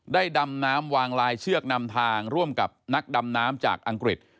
ดำน้ำวางลายเชือกนำทางร่วมกับนักดำน้ำจากอังกฤษ